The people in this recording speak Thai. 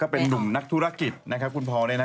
เป็นนุ่มนักธุรกิจนะครับคุณพอเนี่ยนะ